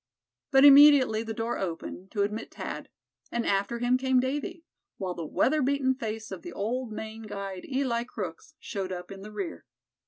But immediately the door opened, to admit Thad; and after him came Davy; while the weather beaten face of the old Maine guide, Eli Crooks, showed up in the rear.